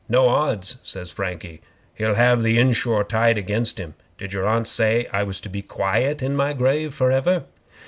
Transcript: "No odds," says Frankie, "he'll have the inshore tide against him. Did your Aunt say I was to be quiet in my grave for ever?"